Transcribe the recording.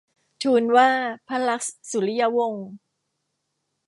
ทูลว่าพระลักษมณ์สุริยวงศ์